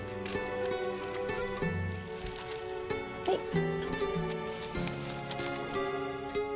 はい